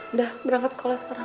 udah berangkat sekolah sekarang